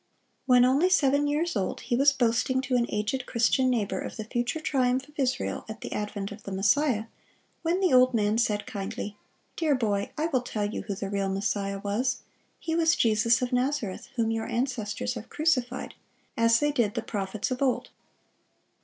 When only seven years old, he was boasting to an aged Christian neighbor of the future triumph of Israel at the advent of the Messiah, when the old man said kindly, "Dear boy, I will tell you who the real Messiah was: He was Jesus of Nazareth, ... whom your ancestors have crucified, as they did the prophets of old.